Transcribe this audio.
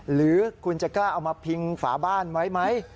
หรือคุณจะกล้าเอามาพิงฝาบ้านไว้ไหม